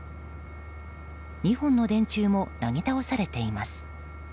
２本の電柱もなぎ倒されています。